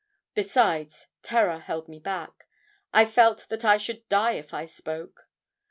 Besides, terror held me back; I felt that I should die if I spoke.